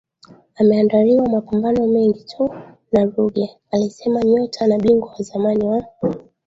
ameandaliwa mapambano mengi tu na Ruge alisema nyota na bingwa wa zamani wa